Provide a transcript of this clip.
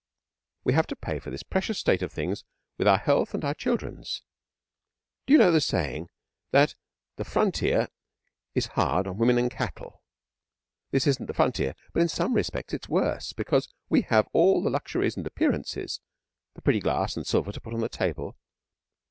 'We have to pay for this precious state of things with our health and our children's. Do you know the saying that the Frontier is hard on women and cattle? This isn't the frontier, but in some respects it's worse, because we have all the luxuries and appearances the pretty glass and silver to put on the table.